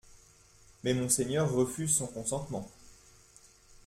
Mais monseigneur refuse son consentement.